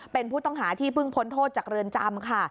เป็นผู้ต้องหาที่เพิ่งพ้นโทษจากเรือนจำค่ะ